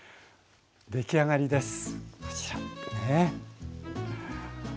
でき上がりですこちらねぇ。